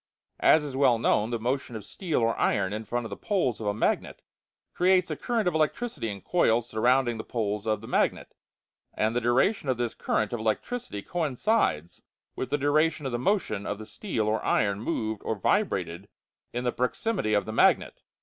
As is well known, the motion of steel or iron in front of the poles of a magnet creates a current of electricity in coils surrounding the poles of the magnet, and the duration of this current of electricity coincides with the duration of the motion of the steel or iron moved or vibrated in the proximity of the magnet.